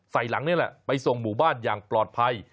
หลังนี่แหละไปส่งหมู่บ้านอย่างปลอดภัย